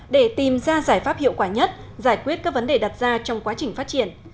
để tìm ra giải pháp hiệu quả nhất giải quyết các vấn đề đặt ra trong quá trình phát triển